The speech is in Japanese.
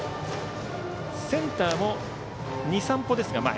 センターも２、３歩ですが前。